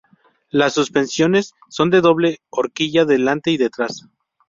Las suspensiones son de doble horquilla delante y detrás.